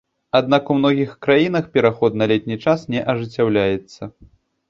Аднак у многіх краінах пераход на летні час не ажыццяўляецца.